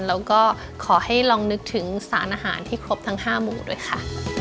แล้วก็ขอให้ลองนึกถึงสารอาหารที่ครบทั้ง๕หมูด้วยค่ะ